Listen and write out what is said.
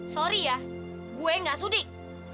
sorry ya gue gak sudik